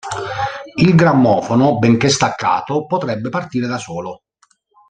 Il grammofono, benché staccato, potrebbe partire da solo.